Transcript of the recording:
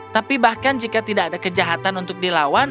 tapi bahkan jika tidak ada kejahatan untuk dilawan